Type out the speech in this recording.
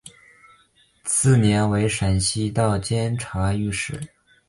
次年为山西道监察御史。